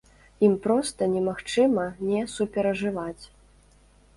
Ім проста немагчыма не суперажываць.